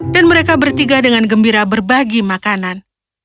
dan mereka bertiga dengan gembira berbagi makanan